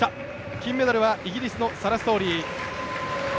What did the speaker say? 金メダルはイギリスのサラ・ストーリー。